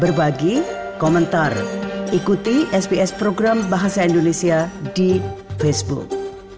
berbagi komentar ikuti sps program bahasa indonesia di facebook